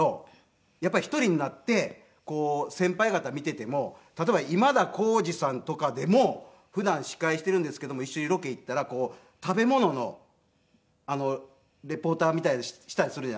やっぱり１人になって先輩方見ていても例えば今田耕司さんとかでも普段司会しているんですけども一緒にロケ行ったら食べ物のリポーターみたいなのしたりするじゃないですか。